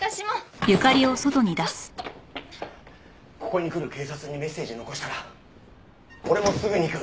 ここに来る警察にメッセージ残したら俺もすぐに行く。